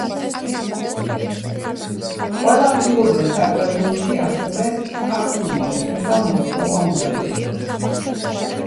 ყველა ადგილობრივ საკრებულოში ასევე, „ქართულმა ოცნებამ“ მოიპოვა უმრავლესობა.